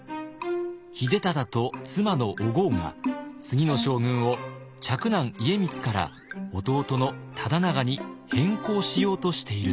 秀忠と妻のお江が次の将軍を嫡男家光から弟の忠長に変更しようとしていると。